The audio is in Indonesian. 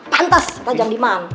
pantes tajam di mana